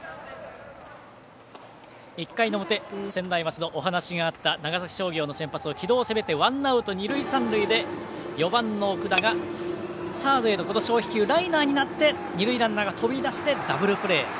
１回の表、専大松戸お話があった長崎商業の先発、城戸を攻めてワンアウト、二塁三塁で４番の奥田がサードへの小飛球ライナーになって二塁ランナーが飛び出してダブルプレー。